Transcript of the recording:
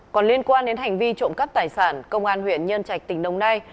còn liên quan đến hành vi trộm cắp tài sản công an huyện nhân trạch tỉnh đồng nai